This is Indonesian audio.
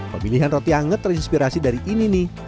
pemilihan roti anget terinspirasi dari ini nih